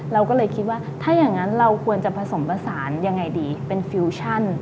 เราก็เลยคิดว่าถ้าอย่างนั้นเราควรจะผสมผสานยังไงดีเป็นฟิวชั่น